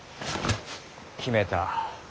決めた。